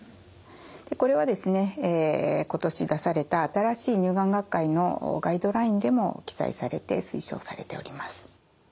これはですね今年出された新しい乳がん学会のガイドラインでも記載されて推奨されております。